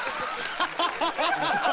ハハハハ！